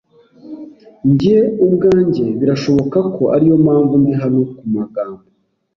njye ubwanjye; birashoboka ko ariyo mpamvu ndi hano kumagambo.